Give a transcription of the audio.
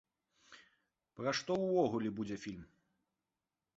Пра што ўвогуле будзе фільм?